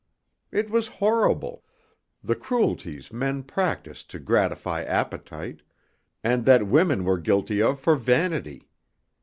It was horrible, the cruelties men practised to gratify appetite, and that women were guilty of for vanity.